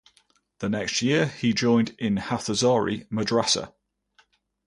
The next year he joined in Hathazari Madrasa.